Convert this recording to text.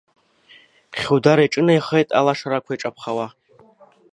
Хьудар иҿынеихеит, алашарақәа иҿаԥхауа.